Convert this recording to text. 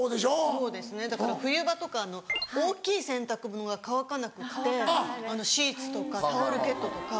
そうですねだから冬場とか大きい洗濯物が乾かなくてシーツとかタオルケットとか。